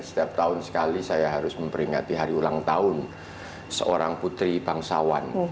setiap tahun sekali saya harus memperingati hari ulang tahun seorang putri bangsawan